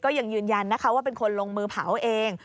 ยังยืนยันนะคะว่าเป็นคนลงมือเผาเอง